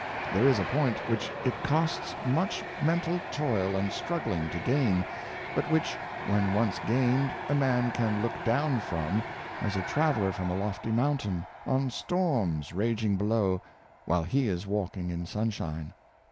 There is a point which it costs much mental toil and struggHng to gain, but which, when once gained, a man can look down from, as a traveler from a lofty moun tain, on storms raging below, while he is walking in sunshine.